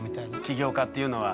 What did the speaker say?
起業家っていうのは。